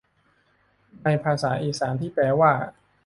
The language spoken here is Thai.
ในภาษาอีสานที่แปลว่า